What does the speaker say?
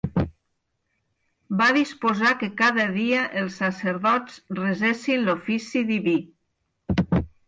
Va disposar que cada dia els sacerdots resessin l'ofici diví.